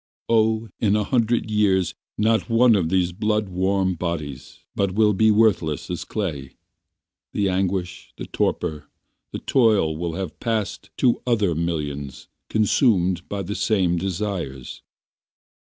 Oh in a hundred years Not one of these blood warm bodies But will be worthless as clay. The anguish, the torpor, the toil Will have passed to other millions Consumed by the same desires.